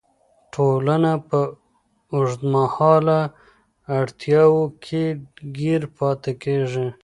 ټولنه په اوږدمهاله اړتیاوو کې ګیر پاتې کیږي.